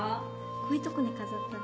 こういうとこに飾ったら